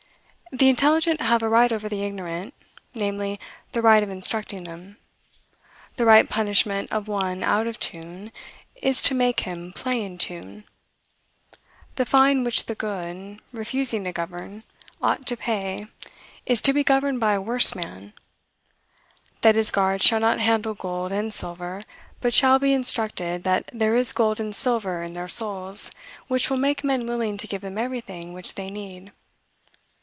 The intelligent have a right over the ignorant, namely, the right of instructing them. The right punishment of one out of tune, is to make him play in tune; the fine which the good, refusing to govern, ought to pay, is, to be governed by a worse man; that his guards shall not handle gold and silver, but shall be instructed that there is gold and silver in their souls, which will make men willing to give them everything which they need.